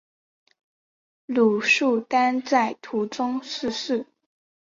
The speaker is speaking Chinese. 鲁速丹在途中逝世。